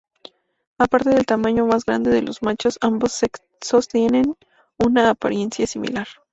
Aparte del tamaño más grande de los machos, ambos sexos tienen una apariencia similar.